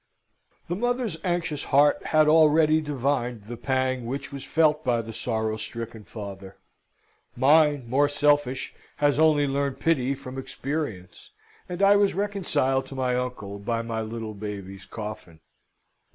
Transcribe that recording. The mother's anxious heart had already divined the pang which was felt by the sorrow stricken father; mine, more selfish, has only learned pity from experience, and I was reconciled to my uncle by my little baby's coffin.